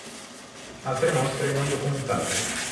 Altre mostre non documentate.